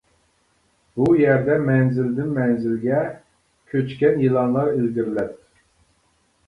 بۇ يەردە مەنزىلدىن-مەنزىلگە، كۆچكەن يىلانلار ئىلگىرىلەپ.